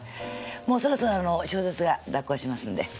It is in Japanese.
もうそろそろあの小説が脱稿しますので。